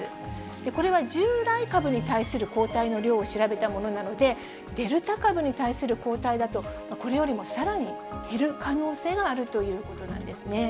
これは従来株に対する抗体の量を調べたものなので、デルタ株に対する抗体だと、これよりもさらに減る可能性があるということなんですね。